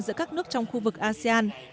giữa các nước trong khu vực asean